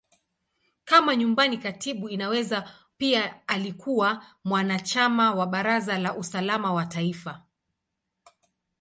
Kama Nyumbani Katibu, Inaweza pia alikuwa mwanachama wa Baraza la Usalama wa Taifa.